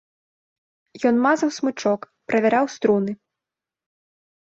Ён мазаў смычок, правяраў струны.